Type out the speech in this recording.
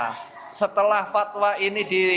nah setelah fatwa ini di